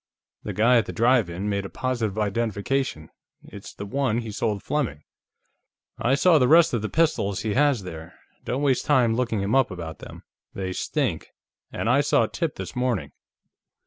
The guy at the drive in made a positive identification; it's the one he sold Fleming. I saw the rest of the pistols he has there; don't waste time looking him up about them. They stink. And I saw Tip this morning.